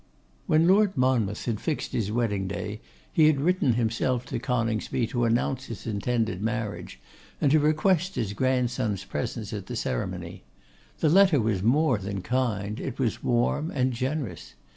When Lord Monmouth had fixed his wedding day he had written himself to Coningsby to announce his intended marriage, and to request his grandson's presence at the ceremony. The letter was more than kind; it was warm and generous.